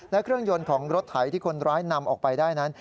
และเครื่องยนต์ของรถไถที่คนร้ายนำออกไปได้นั้น